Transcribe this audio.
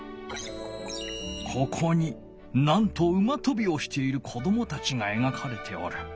ここになんと馬とびをしている子どもたちがえがかれておる。